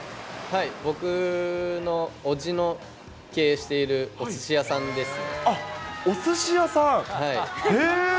僕のおじの経営しているおすあっ、おすし屋さん、へえ。